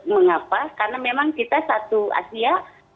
mengapa karena memang kita satu asia